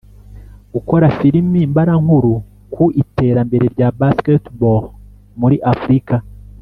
gukora filimi mbarankuru ku iterambere rya BasketBall muri Afurika.